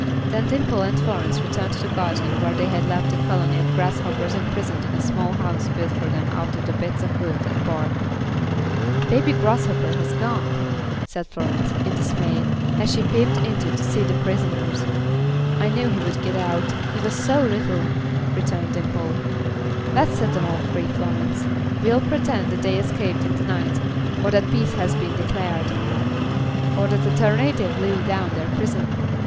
Then Dimple and Florence returned to the garden where they had left a colony of grasshoppers imprisoned in a small house built for them out of bits of wood and bark. "Baby Grasshopper has gone," said Florence, in dismay, as she peeped in to see the prisoners. "I knew he would get out; he was so little," returned Dimple. "Let's set them all free, Florence. We'll pretend that they escaped in the night, or that peace has been declared." "Or that a tornado blew down their prison."